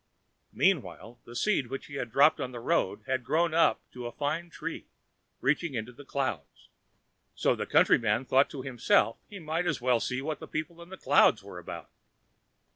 Meanwhile the seed which he dropped on the road had grown up to a fine tree, reaching into the clouds. So the Countryman thought to himself he might as well see what the people in the clouds were about.